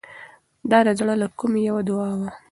دا د زړه له کومې یوه دعا وه.